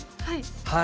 はい。